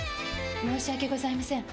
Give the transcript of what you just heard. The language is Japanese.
申し訳ございません。